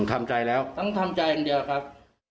ทำใจแล้วต้องทำใจอย่างเดียวครับ